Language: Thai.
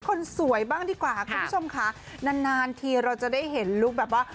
คนสวยบ้างดีกว่าคุณผู้ชมค่ะนานนานทีเราจะได้เห็นลุคแบบว่า